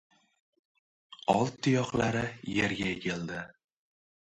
Old tuyoqlari yerga egildi.